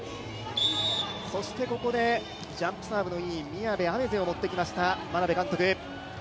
そしてここでジャンプサーブのいい宮部愛芽世を持ってきました、眞鍋監督。